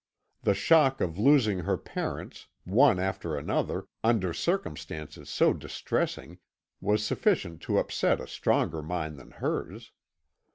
The shock of losing her parents, one after another, under circumstances so distressing, was sufficient to upset a stronger mind than hers.